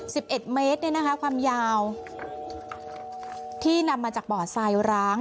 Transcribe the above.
สิบเอ็ดเมตรเนี่ยนะคะความยาวที่นำมาจากบ่อทรายร้าง